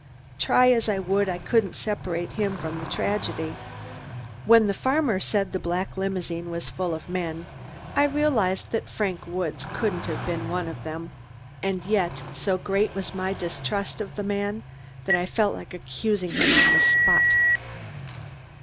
Try as I would I couldn't separate him from the tragedy. When the farmer said the black limousine was full of men, I realized that Frank Woods couldn't have been one of them, and yet, so great was my distrust of the man, that I felt like accusing him on the spot.